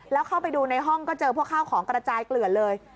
แล้วเข้าไปดูในห้องก็เจอพวกข้าวของกระจายเกลือนเลย